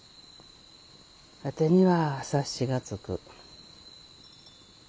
ワテには察しがつく。